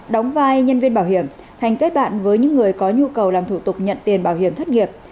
đóng vai nhân viên bảo hiểm hành kết bạn với những người có nhu cầu làm thủ tục nhận tiền bảo hiểm thất nghiệp